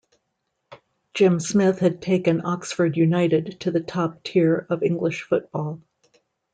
Jim Smith had taken Oxford United to the top tier of English football.